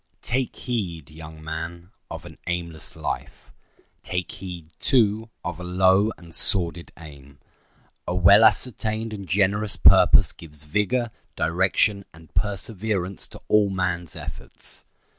Take heed, young man, of an aimless life. Take heed, too, of a low and sordid aim. A well ascertained and generous purpose gives vigor, direction, and perseverance to all man's efforts.